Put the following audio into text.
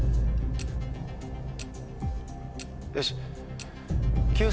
よし！